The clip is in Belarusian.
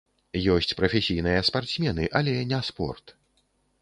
Ёсць прафесійныя спартсмены, але не спорт.